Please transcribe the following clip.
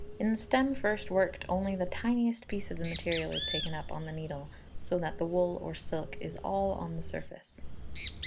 In the stem first worked only the tiniest piece of the material is taken up on the needle, so that the wool or silk is all on the surface.